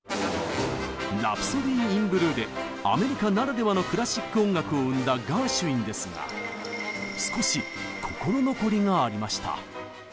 「ラプソディー・イン・ブルー」でアメリカならではのクラシック音楽を生んだガーシュウィンですが少し心残りがありました。